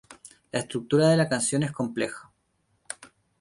La estructura de la canción es compleja.